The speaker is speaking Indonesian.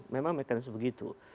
memang mekanisme begitu